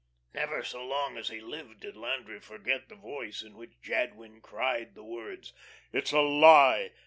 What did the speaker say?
Never so long as he lived did Landry forget the voice in which Jadwin cried the words: "It's a lie!